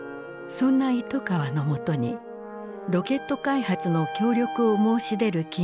そんな糸川の元にロケット開発の協力を申し出る企業があった。